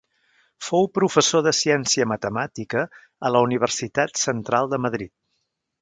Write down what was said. Fou professor de ciència matemàtica a la Universitat Central de Madrid.